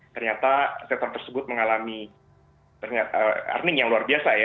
ternyata sektor tersebut mengalami earning yang luar biasa ya